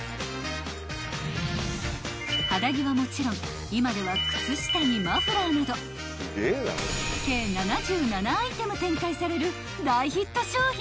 ［肌着はもちろん今では靴下にマフラーなど計７７アイテム展開される大ヒット商品］